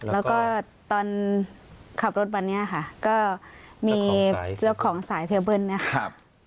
แล้วก็ตอนขับรถวันนี้ค่ะก็มีของสายเทียบเบิ้ลค่ะ